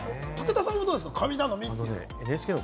武田さんはどうですか？